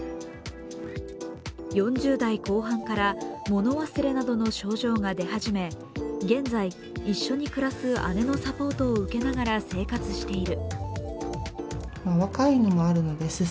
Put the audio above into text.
４０代後半から物忘れなどの症状が出始め現在、一緒に暮らす姉のサポートを受けながら生活している。